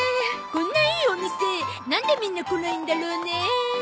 こんないいお店なんでみんな来ないんだろうねえ。